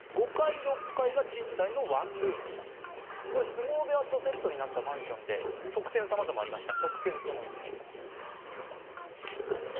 相撲部屋とセットになったマンションで、特典さまざまありました。